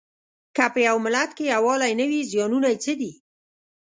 که په یوه ملت کې یووالی نه وي زیانونه یې څه دي؟